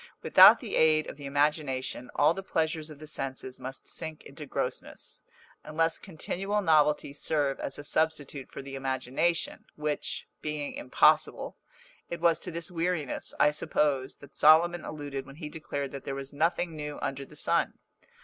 Without the aid of the imagination all the pleasures of the senses must sink into grossness, unless continual novelty serve as a substitute for the imagination, which, being impossible, it was to this weariness, I suppose, that Solomon alluded when he declared that there was nothing new under the sun!